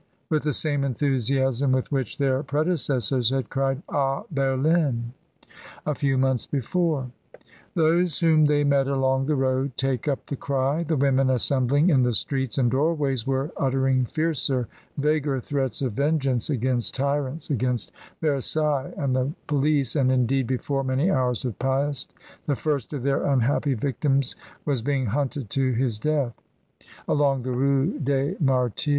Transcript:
with the same enthusiasm with which their predecessors had cried "^ Berlin!" a few months before. Those whom they met along the road take up the cry; the women assembling in the streets and doorways were uttering fiercer, vaguer threats of vengeance against tyrants, against Versailles, and the police, and, indeed, before many hours had passed the first of their un happy victims was being hunted to his death along the Rue des Martyrs.